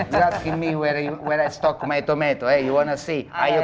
kamu mau lihat di mana saya mencari tomat saya kamu penasaran